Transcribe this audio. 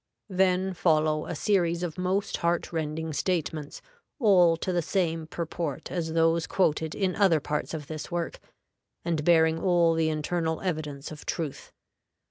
Then follow a series of most heart rending statements, all to the same purport as those quoted in other parts of this work, and bearing all the internal evidence of truth.